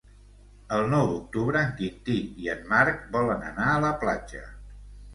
El nou d'octubre en Quintí i en Marc volen anar a la platja.